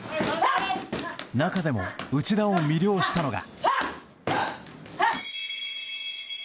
中でも内田を魅了したのが。